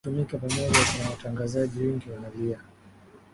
kutumika pamoja kuna watangazaji wengi wanalia